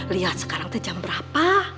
lihat sekarang itu jam berapa